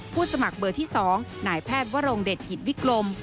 สมัครเบอร์ที่๒นายแพทย์วรงเดชกิจวิกรม